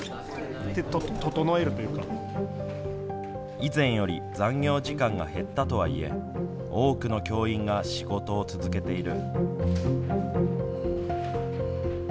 以前より残業時間が減ったとはいえ多くの教員が仕事を続けている。